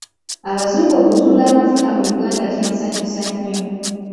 Abazungu okuzuula amafuuta mu Uganda kyansanyu nnyo.